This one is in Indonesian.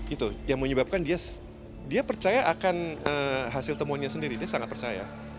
itu yang menyebabkan dia percaya akan hasil temuannya sendiri dia sangat percaya